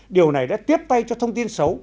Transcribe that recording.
điều này đã tiếp tay cho thông tin xấu